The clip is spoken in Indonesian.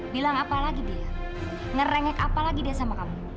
bilang apa lagi dia ngerengek apa lagi dia sama kamu